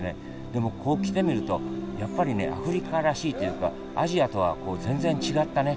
でもここ来てみるとやっぱりねアフリカらしいというかアジアとは全然違ったね